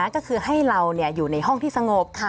ก็คือให้เราอยู่ในห้องที่สงบ